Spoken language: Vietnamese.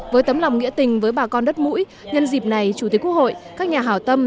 với tấm lòng nghĩa tình với bà con đất mũi nhân dịp này chủ tịch quốc hội các nhà hào tâm